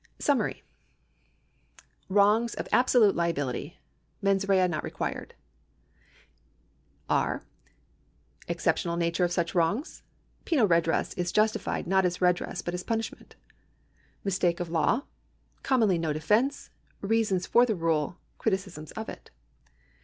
SUMMARY Wrongs of absolute liability — Mens rea not required. Exceptional nature of such wrongs. Penal redress justified not as redress but as punishment. Mistake of law. Commonly no defence. Reasons for the rule. Criticism of it.